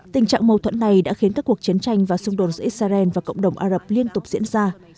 tình trạng mâu thuẫn này đã khiến các cuộc chiến tranh và xung đột giữa israel và cộng đồng ả rập liên tục diễn ra